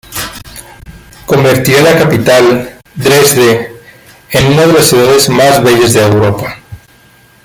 Convertiría la capital, Dresde, en una de las ciudades más bellas de Europa.